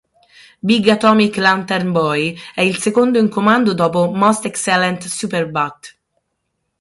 Big Atomic Lantern Boy è il secondo in comando dopo Most Excellent Superbat.